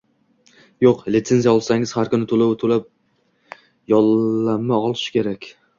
Yo`q, lisenziya olsangiz har kuni to`lov to`lab yo`llanma olish kerak